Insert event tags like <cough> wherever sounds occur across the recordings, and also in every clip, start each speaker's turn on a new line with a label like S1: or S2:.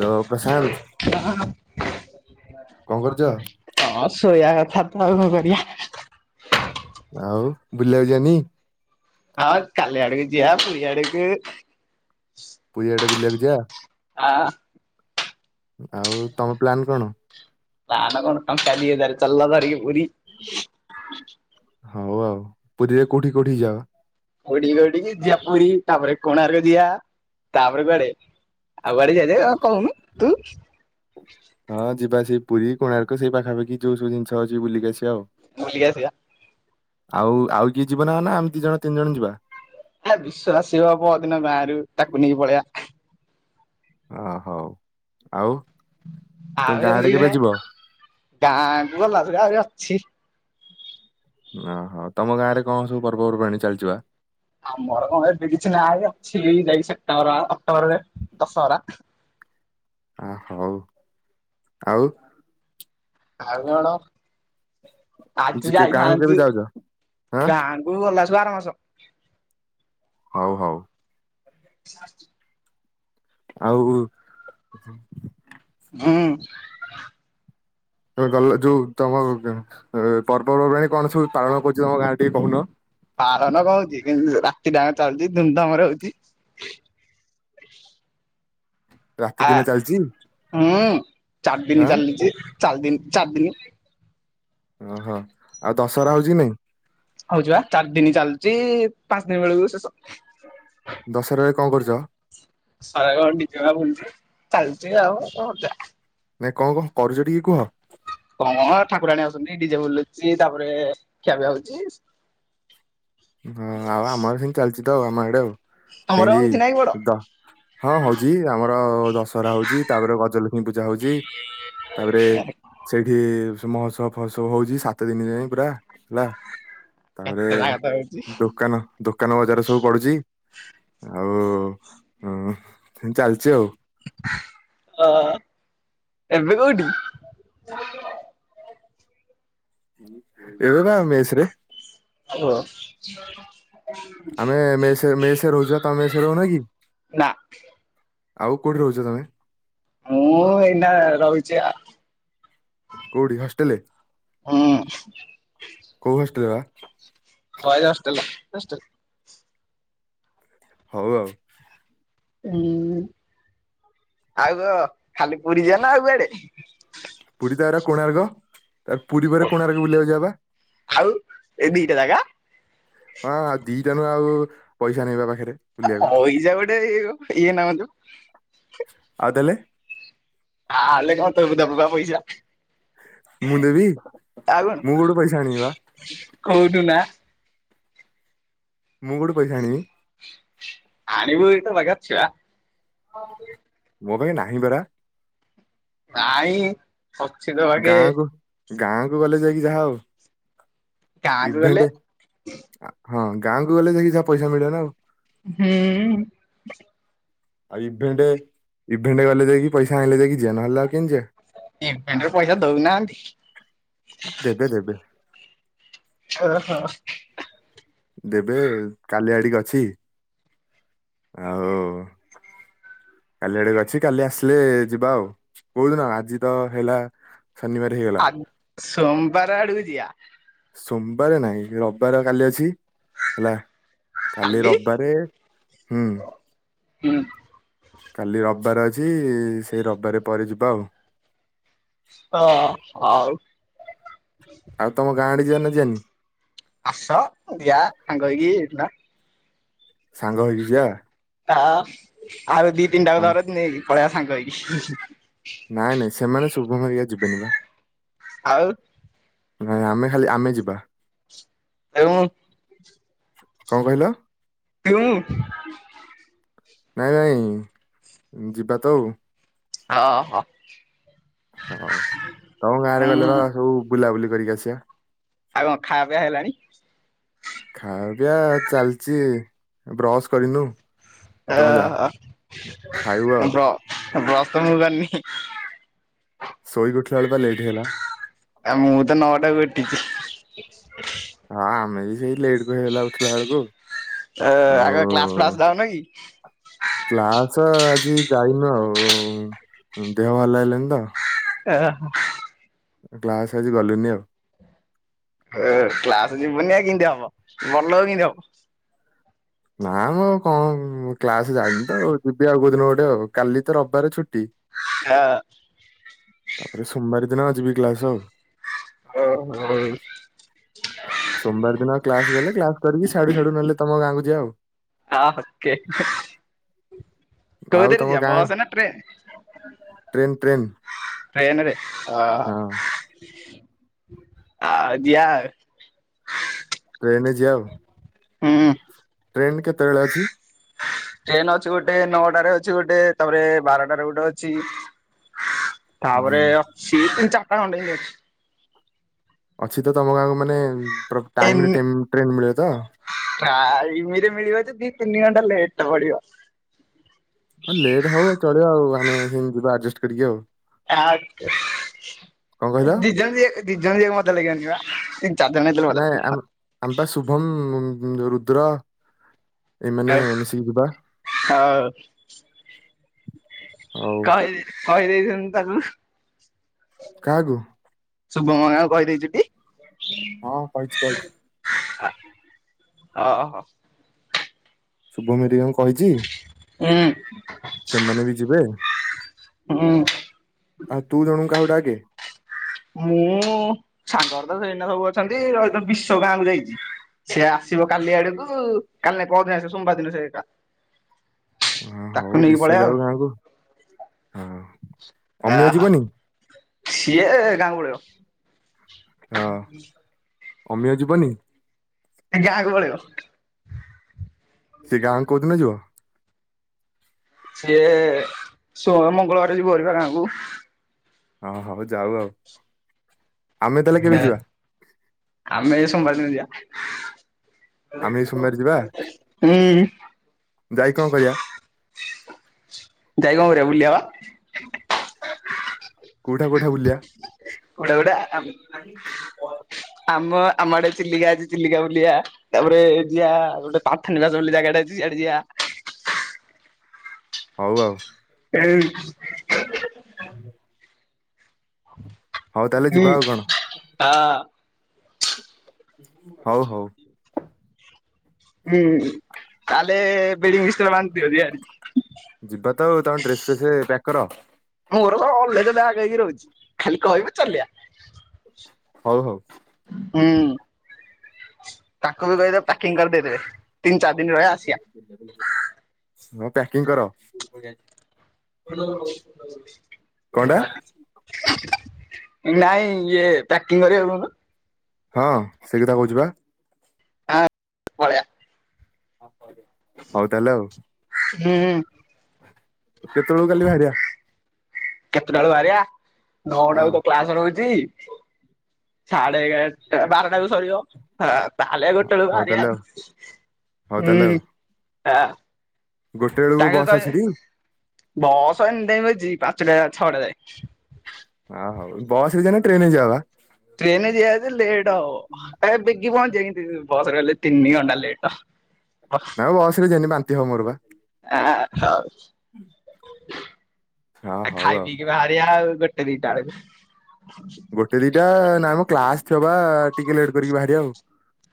S1: Hello Prashant
S2: <inaudible>
S1: କଣ କରୁଛ?
S2: ହଁ ଶୋଇବା କଥା ତ କଣ କରିବା,
S1: ଆଉ ବୁଲିବାକୁ ଜୀବାନି?
S2: ହଁ କାଲି ଆଡ଼କୁ ଯିବା ପୁରୀ ଆଡକୁ,
S1: ପୂଜା, ବୁଲିବାକୁ ଯିବା,
S2: ହ,
S1: ଆଉ ତମ ପ୍ଲାନ କଣ,
S2: ପ୍ଲାନ୍ କଣ ଟଙ୍କା ଡିଇ ହଜାର ଚାଲୁନ ଧରିକି ପୁରୀ।
S1: ହଉ ଆଉ ପୁରୀରେ କୋଉଠି କୋଉଠି ଯିବା?
S2: ଉଡି ଉଡି କି ଯିବା ପୁରୀ ତାପରେ କୋଣାର୍କ ଯିବା ତାପରେ କୁଆଡେ ଆଉ କୁଆଡେ ଯିବା ଜେ କହୁନୁ ତୁ,
S1: ହଁ ଯିବା। ସେଇ ପୁରୀ କୋଣାର୍କ ସେଇ ପାଖପାଖି ଯୋଉ ସବୁ ଜିନିସ ଅଛି ବୁଲିକି ଆସିବା।
S2: ବୁଲିକି ଆସିବା।
S1: ଆଉ ଆଉ କିଏ ଯିବ ନା ନା ଆମେ ଦି ଜଣ ତିନି ଜଣ ଯିବା।
S2: ଆ ବିଶ୍ ଆସୀ ହ ବଦିନ ଗାଁ ରରୁ ତାକୁ ନେଇକି ପଳେଇଆ।
S1: ଓହୋ ଆଉ। ତମ ଗାଁ
S2: ଆଉ
S1: ଆଡେ କେବେ ଯିବ?
S2: <unintelligible> ଗାଁ ଭଲ ଆ। ଛି।
S1: ଓହୋ ତମ ଗାଁ ରେ କଣ ସବୁ ପର୍ବପର୍ବାଣୀ ଚାଲିଛି ବା?
S2: ଆମର କ ଏବେ କିଛି ନାହିଁ ଅଛି ଯାଇ। ଅକ୍ଟୋବରରେ ଦଶହରା।
S1: ଅ ହଉ ଆଉ।
S2: ଆଉ କଣ। ଆଜି
S1: ଜି- କେ- ଗାଁକୁ କେବେ
S2: ଯାଇଥାନ୍ତି
S1: ଯାଉଛ? ଆଁ
S2: ଗାକୁ ଗଲାବେଲୁ ଆର ମାସ।
S1: ହଉ ହଉ।
S2: ଆ
S1: ଆଉ
S2: ହୁଁ।
S1: ଗଲ ଯୋଉ ତମ ଅ ପର୍ବପର୍ବାଣୀ କଣ ସବୁ ପାଳନ କରୁଛି ତମ ଗାଁରେ ଟିକେ କହୁନ।
S2: ପାଳନ କଣ ହଉଚି କିନ୍ତୁ ରାତିଟାଙ୍କ ଚାଲୁଚି ଧୁମ୍ ଧାମ୍ ରେ ହଉଛି।
S1: ରାତି
S2: ଆ
S1: ଦିନ ଚାଲିଛି
S2: ହୁଁ। ଚାରି ଦିନି
S1: ଆଁ
S2: ଚାଲିଛି। ଚାରି ଦିନ ଚାର ଦିନ
S1: ଓହୋ ଆଉ ଦଶହରା ହଉଛି କି ନାଇଁ?
S2: ହଉଛି ବା ଚାରି ଦିନି ଚାଲୁଛି ପାଞ୍ଚ ଦିନ ବେଳକୁ ଶେଷ।
S1: ଦଶହରାରେ କଣ୍ କରୁଛ?
S2: <inaudible> ଚାଲିଛି ଆଉ।
S1: ନାଇଁ କଣ କଣ କରୁଛ ଟିକେ କୁହ।
S2: କଣ ଠାକୁରାଣୀ ଆସିଛନ୍ତି ଡିଜେ ବୁଲୁଛି ତାପରେ ଖିଆ ପିଆ ହଉଛି।
S1: ହଁ ଆଉ ଆମର ସେମିତି ଚାଲିଚି ତ ଆମ ଆଡେ ଆଉ।
S2: ତମର ଆଉ
S1: ସେମିତି
S2: କିଛି ନାହିଁ ବଡ
S1: ଦ ହଁ ହଉଛି ଆମର ଦଶହରା ହଉଛି ତାପରେ ଗଜଲକ୍ଷ୍ମୀ ପୂଜା ହଉଛି ତାପରେ ସେଇଠି ମହୋତ୍ସବ ଫହୋତ୍ସବ ହଉଛି ସାତ ଦିନ ପାଇଁ ପୁରା ହେଲା ତାପରେ
S2: କେତେ ନା କଥା ହଉଛି
S1: ଦୋକାନ ଦୋକାନ ବଜାର ସବୁ ପଡୁଛି? ଆଉ ହଁ ସେମତି ଚାଲିଛି ଆଉ।
S2: <inaudible> ଏବେ କଉଠି?
S1: ଏବେ ବା ମେସ୍ ରେ।
S2: ଓ।
S1: ଆମେ ମେସ୍ ରେ ମେସ୍ ରେ ରହୁଛୁ ଵା ତମେ ସେ ରହୁନା କି?
S2: ନା
S1: ଆଉ କୋଉଠି ରହୁଛ ତମେ?
S2: ମୁଁ ଏଇନା ରହୁଛି ଆ
S1: କୋଉଠି ହଷ୍ଟେଲେ
S2: ହୁଁ
S1: କୋଉ ହଷ୍ଟେଲ ବା? <inaudible>
S2: Boys hostel.
S1: ହଉ ଆଉ।
S2: ହଁ ଆଉ କ ଖାଲି ପୁରୀ ଯିଆ ନା ଆଉ କୁଆଡେ?
S1: ପୁରୀ ତା ପରେ କୋଣାର୍କ। <inaudible> ପୁରୀ ପରେ କୋଣାର୍କ ବୁଲିବାକୁ ଯବା ବା।
S2: ଆଉ ଏଇ ଦିଟା ଜାଗା
S1: ହଁ ଆଉ ଦିଟା ନୁହଁ ଆଉ ପଇସା ନାଇବା ପାଖେରେ ଆଉ ତାହେଲେ
S2: <inaudible> ଆଲେ କଣ ତୁ ବି ଦବୁ ବା ପଇସା।
S1: ମୁଁ ଦେବି
S2: ଆଉ କଣ
S1: ମୁଁ କୋଉଠୁ ପଇସା ଆଣିବି ବା?
S2: କୋଉଠୁ ନା
S1: ମୁଁ କଉଠୁ ପଇସା ଆଣିବି।
S2: ଆଣିବୁ ଏଇଠୁ ବାଗା ଛୁଆ।
S1: ମୋ ପାଖେ ନାହିଁ ପରା।
S2: ନାଇଁ। ଅଛି ତୋ ପାଖେ।
S1: ଗାଁକୁ ଗାଁକୁ ଗଲେ ଯାଇକି ଯାହା ଆଉ।
S2: ଗାଁ କୁ ଗଲେ।
S1: ଇଭେଣ୍ଟ ହଁ ଗାଁକୁ ଗଲେ ଯାଇକି ଯାହା ପଇସା ମିଳିବ ନା ଆଉ।
S2: ହୁଁ।
S1: ଆଉ ଇଭେଣ୍ଟ ଇଭେଣ୍ଟ ଗଲେ ଯାଇକି ପଇସା ଆଣିଲେ ଯାଇକି ଯିଆ ନହେଲେ ଆଉ କେମିତି ଜିଆ।
S2: ଇଭେଣ୍ଟେ ପଇସା ଦଉନାହାନ୍ତି।
S1: ଦେବେ ଦେବେ।
S2: ଓ ହୋ।
S1: ଦେବେ କାଲି ଆଡିକି ଅଛି। ଆଉ। କାଲି ଆଡେ ଅଛି କାଲି ଆସିଲେ ଯିବା ଆଉ କଉ ଦିନ ଆଜି ତ ହେଲା। ଶନିବାର ହେଇଗଲା
S2: ଆ ସୋମବାର ଆଡକୁ ଜିଆ।
S1: ସୋମବାର ନାଇଁ ରବିବାର କାଲି ଅଛି ହେଲା। କାଲି ରବିବାରେ ହୁଁ।
S2: ହୁଁ।
S1: କାଲି ରବିବାର ଅଛି ସେଇ ରବିବାରେ ପରେ ଯିବା ଆଉ।
S2: ହଁ ଆଉ।
S1: ଆଉ ତମ ଗାଁ ଆଡ଼େ। ଜିଆ ନା ଜିଆନି।
S2: ଆସ ଜିଆ ସାଙ୍ଗ ହେଇକି ଏଇଖିନା।
S1: ସାଙ୍ଗ ହେଇକି ଯିଆ।
S2: ତ। ଆଉ ଦି ତିନି ଟା କୁ
S1: ସାଙ୍ଗ-
S2: ଧରତୁ ନେଇକି। ପଳେଇଆ ସାଙ୍ଗ ହେଇକି।
S1: ନାଇଁ ନାଇଁ ସେମାନେ ଶୁଭମ ଘରିକା ଯିବେନି ବା।
S2: ଆଉ।
S1: ନାଇଁ ଆମେ ଖାଲି ଆମେ ଯିବା।
S2: ଏଁ କୁ
S1: କଣ କହିଲ।
S2: କ୍ୟୁଁ।
S1: ନାଇଁ ନାଇଁ ଯିବା ତ ଆଉ।
S2: ଅ ହୋ।
S1: ହଉ ତମ ଗାଁରେ ଗଲେ ବା ସବୁ ବୁଲାବୁଲି। କରିିକି ଆଶିଆ।
S2: ଆଉ କଣ ଖା ପିଆ ହେଲାଣି?
S1: ଖାଇଆ ପିଇଆ ଚାଲଚି ବ୍ରସ୍ କରିନୁ।
S2: ଆ
S1: ତମେ ଯା
S2: ଆ
S1: ଖାଇବୁ ଆଉ
S2: ବ୍ର ବ୍ରସ୍ ତ ମୁଁ କରିନି।
S1: ଶୋଇକି ଉଠ-
S2: ଆ ମୁଁ ତ ନଅଟା ବି ଉ ଠିଛି।
S1: ହଁ ଆମେ ବି। ସେଇ ଲେଟ ବି ହେଲା ଗଲା ଉଠିଲା ବେଳକୁ।
S2: ଆ ଆଗ କ୍ଲାସ ଫ୍ଲାସ ଯାଉନ କି?
S1: କ୍ଲାସ ଆଜି ଯାଇନୁ ଆଉ। ଦେହ ଭଲ ଲାଗିଲାନି ତ।
S2: ଏ ଆ ହ।।
S1: କ୍ଲାସ ଆଜି ଗଲିନି ଆଉ।
S2: ଏ କ୍ଲାସ ଯିବୁନି ଆଉ କେନ୍ତି ହବ ମନ କେନ୍ତି ହବ?
S1: ନାଁ ମୁଁ ଆଉ କଣ କ୍ଲାସ ଯାଇନି ତ ଆଉ ଯିବି ଆଉ କୋଉ ଦିନ ଗୋଟେ ଆଉ କାଲି ତ ରବିବାରେ ଛୁଟି।
S2: ହାଆ
S1: ତାପରେ ସୋମବାର ଦିନ ଯିବି କ୍ଲାସ ଆଉ।
S2: ଓ ହୋଉ।
S1: ସୋମବାର ଦିନ କ୍ଲାସ ଗଲେ କ୍ଲାସ କରିକି ସ୍ୟାଡ଼ୁ ସ୍ୟାଡ଼ୁ ନଲେ ତମ ଗାଁକୁ ଯିବା ଆଉ।
S2: ହଁ ଓକେ।
S1: ଆଉ
S2: କୋଉଥିରେ
S1: ତମ
S2: ଯିବା
S1: ଗାଁ
S2: ବସ୍ ନାଁ ଟ୍ରେନ୍?
S1: ଟ୍ରେନ୍ ଟ୍ରେନ୍
S2: ଟ୍ରେନରେ।
S1: ହଁ
S2: ଆହ୍- ଆ ଜିଆ।
S1: ଟ୍ରେନ ଯିଆ ଆଉ।
S2: ହୁଁ।
S1: ଟ୍ରେନ କେତବେଳେ ଅଛି?
S2: ଟ୍ରେନ ଅଛି ଗୋଟେ ନଅଟାରେ ଅଛି ଗୋଟେ ତାପରେ ବାରଟାରେ ଗୋଟେ ଅଛି।
S1: ହୁଁ
S2: ତାପରେ ଅଛି ତିନି ଚା ଟା ଅଣ୍ଡେ ଏତି ଅଛି।
S1: ଅଛି ତ ତମ ଗାଁକୁ ମାନେ ପ୍ର ଟାଇମରେ ଟାଇ ଟେନ୍ ଟ୍ରେନ ମିଳେ ତ?
S2: ଇମିରେ ମିଳିବ ଯେ ଦି ତିନି ଘଣ୍ଟା ଲେଟ ପଡ଼ିବ।
S1: ହଁ ଲେଟ୍ ହବ ଚଳିବ ଆଉ ଆମେ ସେମତି ଯିବା ଆଡଜଷ୍ଟ କରିକି ଆଉ।
S2: ଆ
S1: କଣ କହିଲ
S2: ଦି ଜଣ ଯି ଦି ଜଣ ଯିବାକୁ ମଜା ଲାଗିବନି ବା। ଚାରି ଜଣ ହେଇଥିଲେ ମଜା
S1: ନାଇଁ
S2: ଲାଗିବ।
S1: ଆମେ ଆମେ ପା ଶୁଭମ୍ ଉଁ ରୁଦ୍ର ଏମାନେ
S2: ହଉ
S1: ମିଶିକି ଯିବା
S2: <inaudible> ହଉ
S1: ଆଉ
S2: କହ କହିଦେଇଛନ୍ତି। <unintelligible>
S1: କାହାକୁ।
S2: ଶୁଭମ ହେରିକା ଙ୍କୁ କହିଦେଇଛୁଟି।
S1: ହଁ କହିଛି କହିଛି
S2: <inaudible> ଆ। ଅହଂ।
S1: ଶୁଭମ ହେରିକା ଙ୍କୁ। କହିଚି
S2: ହୁଁ
S1: ସେମାନେ ବି ଯିବେ।
S2: ହୁଁ
S1: ଆଉ ତୁ ଜଣକୁ କାହାକୁ ଡାକ୍। <unintelligible>
S2: ମୁଁ ସାଙ୍ଗହରତ ସେଇନା ସବୁ ଅଛନ୍ତି ରହିତ ବିଶ ଗାଁକୁ ଯାଇଛି ସେ ଆସିବ କାଲି ଆଡକୁ କାଲି ନାଇ ପଅରଦିନ ଆସିବ ସୋମବାର ଦିନ ସେ ଏକା।
S1: ହଁ ହଉ ବିଷ ଯାଉ ଗାଁକୁ। ହଁ ଅମିୟ
S2: ଆହା
S1: ଯିବନି
S2: ସିଏ ଗାଁ <unintelligible> ପଳେବ। ହଁ
S1: ଅମିୟ ଯିବନି।
S2: ଯାହାକୁ ପଳେଇିବ। <unintelligible>
S1: ସେ ଗାଁ କୁ କୋଉ ଦିନ ଯିବ?
S2: ସିଏ ସୋମ ମଙ୍ଗଳବାର ଯିବ ହେରିବା ଗାଁ କୁ।
S1: ହଁ ହବ ଯାଉ ଆଉ। ଆମେ ତାହେଲେ କେବେ ଯିବା
S2: ହଆମେ ସୋମବାର ଦିନ ଯିବା।
S1: ଆମେ ଏଇ
S2: ହୁଁ
S1: ସୋମବାର ଯିବା
S2: ଉଁ
S1: ଯାଇ କଣ କରିବା
S2: ଯାଇ କଣ କରିବା ବୁଲିବା ବା।
S1: କୋଉଠା କୋଉଠା ବୁଲିବା
S2: ଗୋଟେ <unintelligible> ଆମ ଆମ ଆଡେ ଚିଲିକା ଅଛି, ଚିଲିକା ବୁଲଆ। ତାପରେ ଯିଆ ଗୋଟେ ପାଠ ନିବାସ ବୋଲି ଜାଗାଟେ ଅଛି ସିଆଡେ ଯିବା।
S1: ହଉ ଆଉ!
S2: ହ <inaudible>
S1: ହୁଁ <inaudible> ଯିବା
S2: ଉଁ
S1: ଆଉ କଣ
S2: <inaudible> ଆ
S1: ହଉ ହଉ
S2: ହୁଁ ତାହେଲେ ବିଡିଙ୍ଗ ଧତି ଅାର
S1: ଯିବା ତ ଆଉ ତମେ ଡ୍ରେସ ଫ୍ରେସ
S2: <unintelligible>
S1: ପ୍ୟାକ୍ କର।
S2: ମୋର ଅଲରେଡି ପ୍ୟାକ ହେଇକି ରହୁଛି ଖାଲି କହିବି ଚାଲିଆ।
S1: ହଉ ହଉ।
S2: ହୁଁ ତାଙ୍କୁ ବି କହିଦେବେ ପ୍ୟାକିଂ କରିଦେଇଦେବେ। ତିନି ଚାରି ଦିନ ରହିବା ଆସିବା
S1: ହ ପ୍ୟାକିଂ କର। <unintelligible>
S2: ହ ହ <inaudible> ହ
S1: କଣଟା
S2: <unintelligible> ନାଇଁ ଇଏ ପ୍ୟାକିଂ କରିବାକୁ କହୁନ।
S1: ହଁ ସେଇ କଥା କହୁଛି ବା।
S2: ଆ ପଲେଇଆ।
S1: ହଉ ତାହେଲେ ଆଉ।
S2: ହୁଁ ହ।
S1: କେତେବେଳକୁ କାଲି ବାହାରିବା?
S2: କେତେଟା ବେଳକୁ ବାହାରିଆ? ନଅ
S1: ହଁ
S2: ଟାକୁ ତ କ୍ଲାସ ରହୁଛି। ସାଡେ ଏଗାର ବାରଟାକୁ ସରିିବ। ହଁ <inaudible> ତାହେଲେ ଗୋଟେ ବେଳକୁ
S1: ହଉ ତାହେଲେ ଆଉ
S2: ବାହାରିଆ।
S1: ହଉ ତାହେଲେ ଆଉ
S2: ହଁ
S1: ଗୋଟେ ବେଳକୁ
S2: ତାଙ୍କେ
S1: ବସ୍ ଅଛି
S2: କହିବେ,
S1: ଟି
S2: ବସ୍ ଏନି ଟାଇମ ଅଛି ପା <unintelligible> ଛଅଟା ଯାଏ।
S1: ହଁ ହଉ ବସ୍ ରେ ଯିବା ନା ଟ୍ରେନ ଯିଆ ବା?
S2: ଟ୍ରେନରେ ଯିବା ଯେ ଲେଟ୍ ହବ, ଏ ବେଗି ପହଞ୍ଚ ଯାଇ ବସ୍ ରେ ଗଲେ ତିନି ଘଣ୍ଟା ଲେଟ୍।
S1: ନା ବସରେ ଯିବାନି ବା ଦେହ ମୋର ବା।
S2: ଆ ହଉ।
S1: ହୁଁ।
S2: ଆଉ ଖାଇ ପିଇକି ବାହାରିଆ ଆଉ ଗୋଟ ଗୋଟେ ଦିଟା ବେଳକୁ।
S1: ଗୋଟେ ଦିଟା ନାଇମ କ୍ଲାସ ଥିବା-ଆ-ଆ-ଆ ଟିକେ ଲେଟ୍ କରିକି ବାହାରିଆ ଆଉ।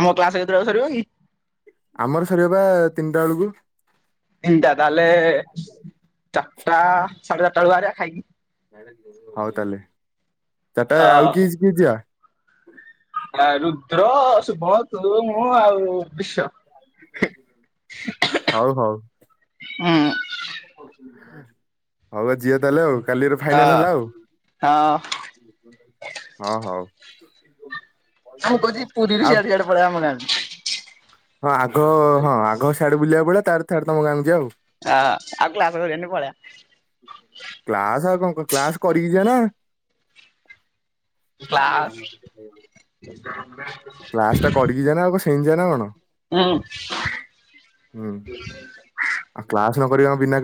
S2: ତମ କ୍ଲାସ କେତବେଳେ ସରିବ କି?
S1: ଆମର ସରିବ ପା ତିନିଟା ବେଳକୁ।
S2: ତିନଟା ତାହେଲେ-ଏ-ଏ-ଏ ଚାରିଟା ସାଢେ ଚାରିଟା ବାହାରିବା ଖାଇକି।
S1: ହଉ ତାହେଲେ। ଚାରଟା ଆ ଆଉ କିସ୍ କିଏ ଯିବା?
S2: ଆ ରୁଦ୍ର, ଶୁଭ, ତୁ ମୁ ଆଉ ବିଶ୍ୱ।
S1: ହଉ ହଉ।
S2: ହଁ।
S1: ହ- ହଉ ଆ ଜିଆ ତାହେଲେ ଆଉ। କାଲିର
S2: ଅ
S1: ଫାଇନାଲ ହେଲା ଆଉ।
S2: ହଁ
S1: ହଁ ହଉ।
S2: ମୁଁ କହୁଛିି ପୁରୀରୁ
S1: ଆଉ
S2: ସେଆଡେ ସେଆଡେ଼ ପଳେଇବା ଆମ ଗାଁ <unintelligible>
S1: ହଁ ଆଗ ହଁ ଆଗ ସିଆଡେ ବୁଲିବା ପାଳେଇଆ ତାର ତାର ତମ ଗାଁକୁ ଯି ଆଉ।
S2: ହଁ ଆଉ କ୍ଲାସ କରିଆନି ପାଳେଆ।
S1: କ୍ଲାସ ଆଉ କଣ କ୍ଲାସ କରିକି ଯିବା ନା
S2: କ୍ଲାସ
S1: କ୍ଲାସ ଟା କରିକି ଜିଆ ନ ଆଉ କ ସେମିତି ଜିଆ ନା କଣ ହୁଁ
S2: <inaudible>
S1: <unintelligible>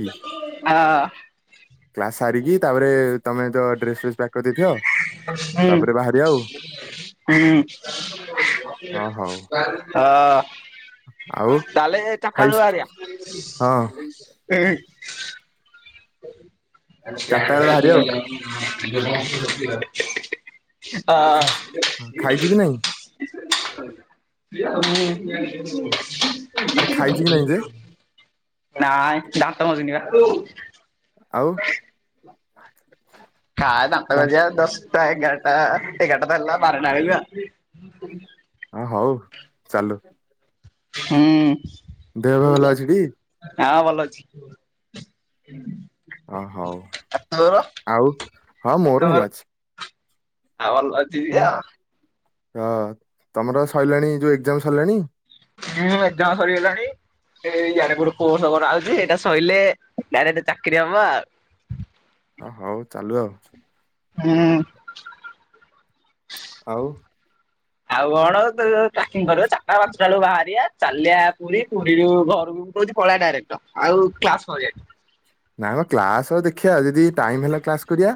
S1: କି? କ୍ଲାସ ସାରିକି ତାପରେ ତମେ ତ ଡ୍ରେସ ଫେସ
S2: ହୁଁ <inaudible>
S1: ଆଉ।
S2: ହୁଁ। <inaudible> ହଁ। ହଁ। ତାହଲେ ଚାଟା
S1: ଆଉ
S2: ବେଳକୁ
S1: ଖାଇ
S2: ବାହାରିବା
S1: ହଁ
S2: <inaudible> ହୁଁ। ହ। <unintelligible> <inaudible> <inaudible> ହଁ।
S1: ଚାରିଟା ବେଳେ ବାହାରିବା ଆଉ। ଖା
S2: <inaudible>
S1: ଖାଇଛୁ କି ନାଇଁ
S2: <inaudible>
S1: ଆରେ ଖାଇଛୁ କି ନାଇଁ ଯେ
S2: ନାଇଁ ଦାନ୍ତ ଘଷିନି ପା ହୁଁ।
S1: ଆଉ।
S2: କାଇଁ ଦାନ୍ତ
S1: ଦା-
S2: ଘଷି ଆ ଦଶ ଟା ଏଗାର ଟା ଏଗାର ଟା ତ ହେଲା ବାର ଟା। <unintelligible>
S1: ହଁ ହଉ ଚାଲୁ।
S2: ହୁଁ।
S1: ଦେହ ଫେହ ଭଲ ଅଛି ଟି।
S2: ହଁ ଭଲ ଅଛି। <inaudible>
S1: ଅ ହୋଉ
S2: ଆଉ ତୋର
S1: ଆଉ ହଁ ମୋର
S2: ତୋର
S1: ଭଲ ଅଛି।
S2: ଆଉ ଭଲ ଅଛି ଦିହ?
S1: ହୁଁ ତମର ସରିଲାଣି ଯୋଉ ଏକ୍ଜାମ ସରିଲାଣି?
S2: ହଁ ଏକ୍କାମ ସରିଗଲାଣି ସେ ଇଆଡେ କଉଠୀ କୋର୍ସ କରା ହଉଚି ଏଇଟା ସଆଇଲେ ଡାଇରେକ୍ଟ ଚାକିରି ହବ ଆଉ।
S1: ଅ ହଉ ଚାଲୁ ଆଉ
S2: ହୁଁ। <inaudible>
S1: ଆଉ
S2: ଆଉ କଣ ତ ପ୍ୟାକିଙ୍ଗ କରିବା ଚାରଟା ପାଞ୍ଚଟା ବେଳୁ ବାହାରିବା ଚାଲିବା ପୁରୀ ପୁରୀରୁ ଘରକୁ ମୁଁ କହୁଚି ପଳେଇବା ଡାଇରେକ୍ଟ ଆଉ କ୍ଲାସ କରିବାନି।
S1: ନାଇଁ ମ କ୍ଲାସ ଦେଖିବା ଯଦି ଟାଇମ ହେଲା କ୍ଲାସ୍ କରିବା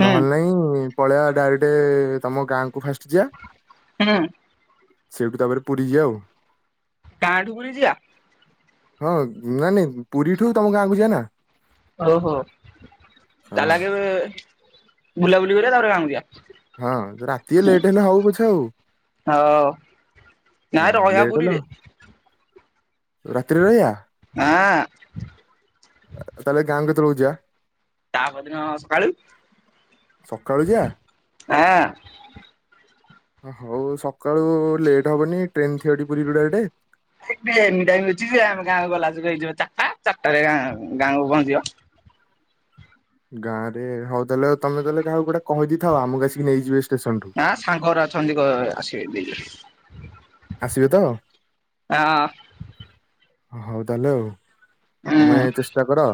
S2: ହୁଁ।
S1: ନହେଲେ ନାଇଁ ପଳେଇବା ଡାଇରେକ୍ଟେ ତମ ଗାଁକୁ ଫାଷ୍ଟ ଯିବା
S2: ହୁଁ।
S1: ସେଇଠୁ ତାପରେ ପୁରୀ ଜିଆ ଆଉ।
S2: ଗାଁ ଠୁ ପୁରୀ ଜିଆ?
S1: ହଁ ନାଇ ନାଇଁ ପୁରୀଠୁ ତମ ଗାଁ କୁ ଜିଆ ନା।
S2: ହ ହୋ
S1: ହଁ
S2: ତାହେଲେ ଆଗେ। ବୁଲାବୁଲି କରିବା ତାରେ ଗାଁ କୁ ଯିବା।
S1: ହଁ ରାତି ରେ ଲେଟ୍ ହେଲେ ହଉ ପଛେ ଆଉ।
S2: ହଉ।
S1: ହଁ
S2: ନାଇ ରହିଆ ପୁରୀରେ।
S1: ରାତି୍ ରେ ରହିଆ।
S2: ଆଁ।
S1: ବେଳୁ ଜିଆ।
S2: ତା ପରଦିନ ସକାଳୁ।
S1: ସକାଳୁ ଯିବା
S2: ହଁ।
S1: ହଉ ସକାଳୁ ଲେଟ୍ ହବନି ଟ୍ରେନ ଥିବ ପୁରୀ ଠୁ ଡାଇରେକ୍ଟେ।
S2: ଏ ଏନି ଟାଉମ ଅଛି ଆମେ ଗାଁ କୁ ଗଲାସ ଏଇ ଯଉ ଚାରିଟା ଚାରିଟା ରେ ଗାଁ ଗାଁକୁ ପହଞ୍ଚିବ।
S1: ଗାଁ ରେ ହଉ ତାହେଲେ ତମେ ତାହେଲେ କାହାକୁ ଗୋଟେ କହିଦେଇଥାଅ ଆମକୁ ଆସିକି ନେଇଯିବେ ସେ
S2: ନା ସାଙ୍ଗଗରା ଅଛନ୍ତି ଆସିବେ ନେଇଯିବେ।
S1: ଆସିବେ ତ।
S2: ଆଁ ହଁ।
S1: ହଉ ତାହେଲେ ତମେ ଚେଷ୍ଟା କର